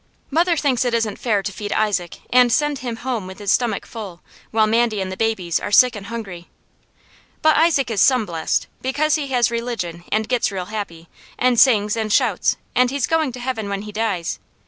Mother thinks it isn't fair to feed Isaac and send him home with his stomach full, while Mandy and the babies are sick and hungry. But Isaac is some blessed, because he has religion and gets real happy, and sings, and shouts, and he's going to Heaven when he dies.